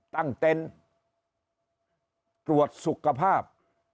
ตั้งเต้นตรวจสุขภาพ